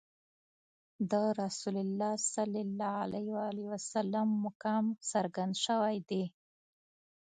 د رسول الله صلی الله علیه وسلم مقام څرګند شوی دی.